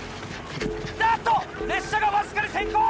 あっと列車がわずかに先行！